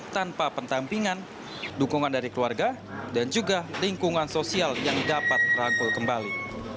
tanpa pendampingan dukungan dari keluarga dan juga lingkungan sosial yang dapat rangkul kembali